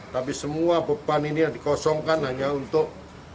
tapi semua beban ini yang dikosongkan hanya untuk